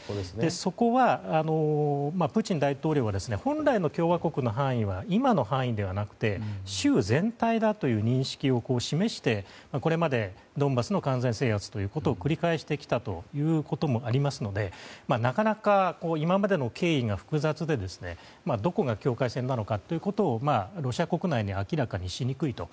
そこは、プーチン大統領は本来の共和国の範囲は今の範囲ではなくて州全体だという認識を示してこれまで、ドンバスの完全制圧というのを繰り返してきたこともありますのでなかなか今までの経緯が複雑でどこが境界線なのかロシア国内で明らかにしにくいと。